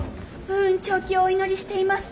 武運長久をお祈りしています。